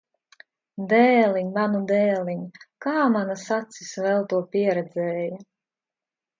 Dēliņ! Manu dēliņ! Kā manas acis vēl to pieredzēja!